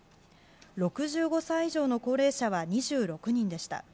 ６５歳以上の高齢者は２６人でした。